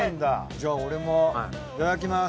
じゃあ俺もいただきます。